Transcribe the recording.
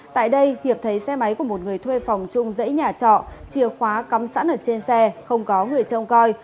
tại đây hiệp thấy xe máy của một người thuê phòng chung giấy nhà trọ chìa khóa cắm sẵn ở trên xe không có người trông coi